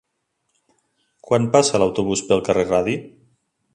Quan passa l'autobús pel carrer Radi?